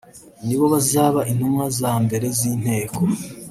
nibo bazaba intumwa za mbere z’inteko”